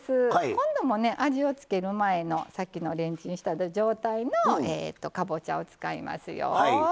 今度もね味を付ける前のさっきのレンチンした状態のかぼちゃを使いますよ。